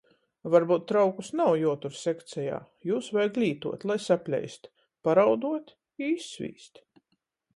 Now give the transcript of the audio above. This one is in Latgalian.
Varbyut traukus nav juotur sekcejā, jūs vajag lītuot, lai sapleist, - parauduot i izsvīst.